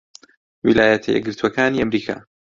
ویلایەتە یەکگرتووەکانی ئەمریکا